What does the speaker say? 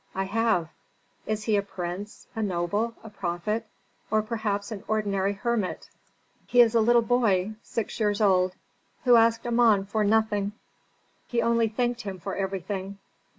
"I have." "Is he a prince, a noble, a prophet, or perhaps an ordinary hermit?" "He is a little boy, six years old, who asked Amon for nothing, he only thanked him for everything."